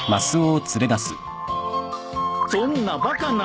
そんなバカな。